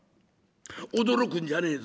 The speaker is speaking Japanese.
「驚くんじゃねえぞ。